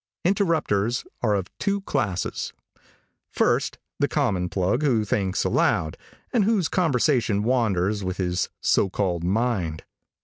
Interrupters are of two classes: First, the common plug who thinks aloud, and whose conversation wanders with his so called mind.